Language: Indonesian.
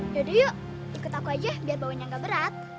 yaudah yuk ikut aku aja biar bawanya nggak berat